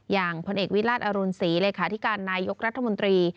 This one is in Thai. อย่างผลเอกวิทราชอรุณศรีร์รายขาธิการนายกรัฐมนตรี